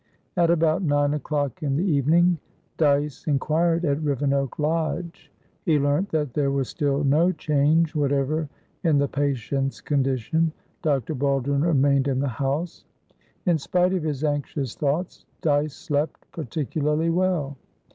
At about nine o'clock in the evening, Dyce inquired at Rivenoak lodge: he learnt that there was still no change whatever in the patient's condition; Dr. Baldwin remained in the house. In spite of his anxious thoughts, Dyce slept particularly well.